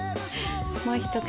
もう一口。